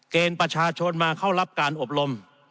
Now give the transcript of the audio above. เกณฑ์ประชาชนมาเข้ารับการอบรม